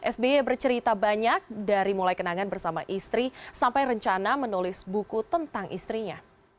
sby bercerita banyak dari mulai kenangan bersama istri sampai rencana menulis buku tentang istrinya